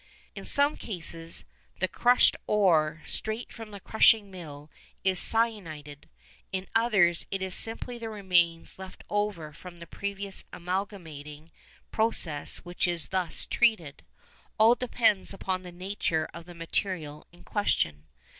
In some cases the crushed ore straight from the crushing mill is cyanided, in others it is simply the remains left over from the previous amalgamating process which is thus treated. All depends upon the nature of the material in question.